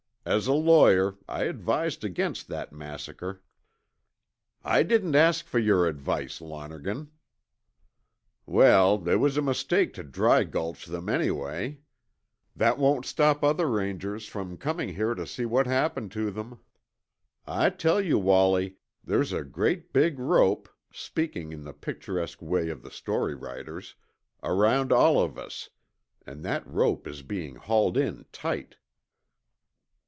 As a lawyer, I advised against that massacre." "I didn't ask for your advice, Lonergan." "Well, it was a mistake to dry gulch them anyway. That won't stop other Rangers from coming here to see what happened to them. I tell you, Wallie, there's a great big rope, speaking in the picturesque way of the story writers, around all of us, an' that rope is bein' hauled in tight."